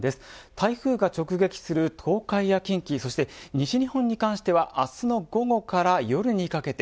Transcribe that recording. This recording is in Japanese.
台風が直撃する東海や近畿そして西日本に関しては明日の午後から夜にかけて。